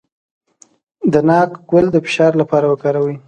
د ناک ګل د فشار لپاره وکاروئ